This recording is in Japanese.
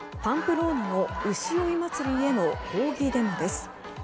ローナの牛追い祭りへの抗議デモです。